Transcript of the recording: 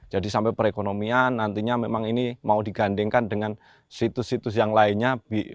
jadi sampai perekonomian nantinya memang ini mau digandingkan dengan situs situs yang lainnya